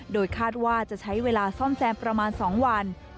โดยคาดว่าจะใช้เวลาซ่อมแซมประมาณ๒วัน